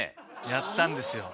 やったんですよ。